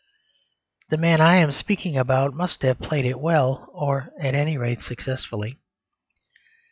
The man I am speaking about must have played it well, or at any rate successfully.